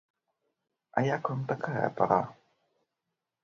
А як вам такая пара?